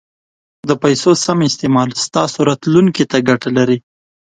د پیسو سم استعمال ستاسو راتلونکي ته ګټه لري.